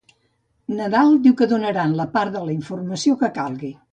Nadal diu que donaran part de la informació que calgui.